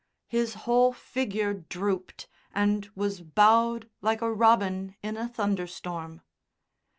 His whole figure drooped and was bowed like a robin in a thunderstorm.